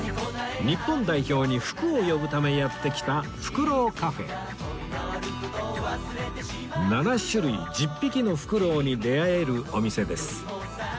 日本代表に福を呼ぶためやって来た７種類１０匹のふくろうに出会えるお店です